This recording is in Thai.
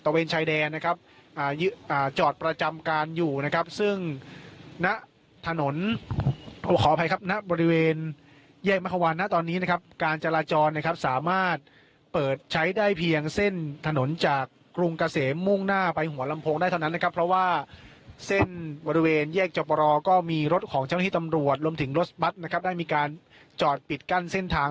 ตะเวณชายแดนนะครับอ่าอ่าจอดการยู่นะครับซึ่งท่าน